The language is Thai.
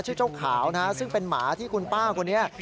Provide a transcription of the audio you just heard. เจ้าขาวนะฮะซึ่งเป็นหมาที่คุณป้าคนนี้